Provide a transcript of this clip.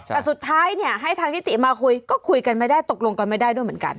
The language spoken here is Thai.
แต่สุดท้ายเนี่ยให้ทางนิติมาคุยก็คุยกันไม่ได้ตกลงกันไม่ได้ด้วยเหมือนกัน